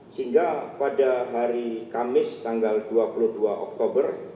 sehingga pada hari kamis tanggal dua puluh dua oktober